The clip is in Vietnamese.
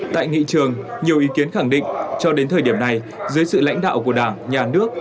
tại nghị trường nhiều ý kiến khẳng định cho đến thời điểm này dưới sự lãnh đạo của đảng nhà nước